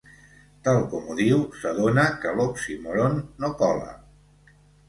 Tal com ho diu s'adona que l'oxímoron no cola.